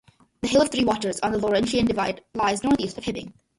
The "Hill of Three Waters" on the Laurentian Divide lies northeast of Hibbing.